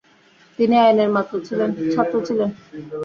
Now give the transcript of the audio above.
তিনি আইনের ছাত্র ছিলেন।